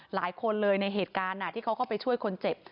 หลายคนเลยในเหตุการณ์ที่เขาเข้าไปช่วยคนเจ็บ